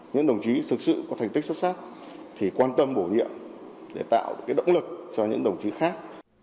những đồng chí thực sự có thành tích xuất sắc thì quan tâm bổ nhiệm để tạo động lực cho những đồng chí khác